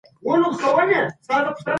نوی نسل به د کرکي پر ځای مينه خپره کړي.